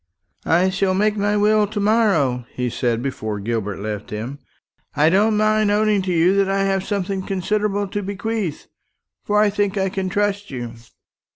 "I shall make my will to morrow," he said, before Gilbert left him. "I don't mind owning to you that I have something considerable to bequeath; for I think I can trust you.